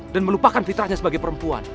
dan melupakan fitrahnya sebagai perempuan